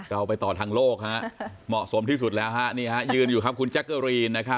เราไปต่อทางโลกเหมาะสมที่สุดแล้วนี่ฮะยืนอยู่ครับคุณแจ๊กเกอรีน